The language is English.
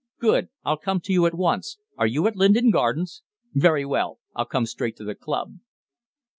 "Good. I'll come to you at once. Are you at Linden Gardens?" "Very well, I'll come straight to the club."